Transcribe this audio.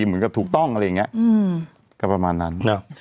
เหมือนกับถูกต้องอะไรอย่างนี้ก็ประมาณนั้น